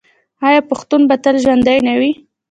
آیا پښتون به تل ژوندی نه وي؟